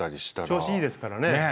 調子いいですからね。